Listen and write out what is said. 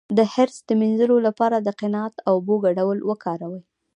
د حرص د مینځلو لپاره د قناعت او اوبو ګډول وکاروئ